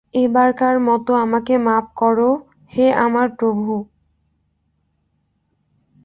এবারকার মতো আমাকে মাপ করো, হে আমার প্রভু।